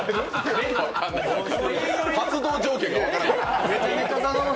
発動条件が分からない。